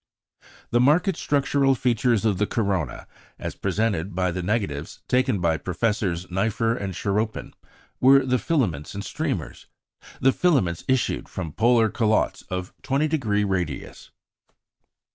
"The marked structural features of the corona, as presented by the negatives" taken by Professors Nipher and Charroppin, were the filaments and the streamers. The filaments issued from polar calottes of 20° radius.